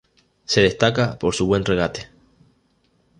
Se destaca por su buen regate.